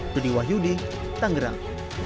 dudi wahyudi tangerang